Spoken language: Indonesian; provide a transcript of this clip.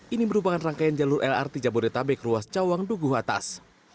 ini merupakan rangkaian jalur lrt jabodebek ruas cawang duku atas